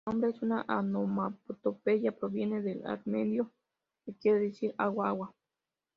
El nombre es una onomatopeya proveniente del armenio, que quiere decir "agua-agua".